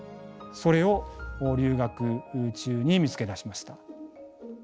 それを留学中に見つけ出しました。